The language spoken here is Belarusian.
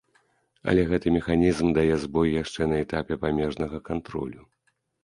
Але гэты механізм дае збой яшчэ на этапе памежнага кантролю.